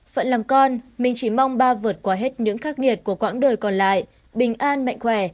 phận làm con mình chỉ mong ba vượt qua hết những khắc nghiệt của quãng đời còn lại bình an mạnh khỏe